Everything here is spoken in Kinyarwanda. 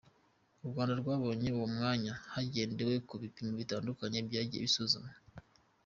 U Rwanda rwabonye uwo mwanya hagendewe ku bipimo bitandukanye byagiye bisuzumwa.